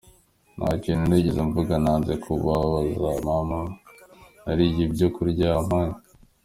Nta kintu nigeze mvuga nanze kubabaza mama, nariye ibyo kurya yampaye.